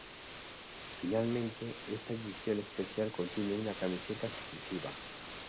Finalmente, esta edición especial contiene una camiseta exclusiva.